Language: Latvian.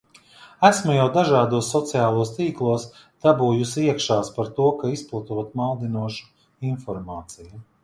Esmu jau dažādos sociālos tīklos "dabūjusi iekšās" par to, ka izplatot maldinošu informāciju.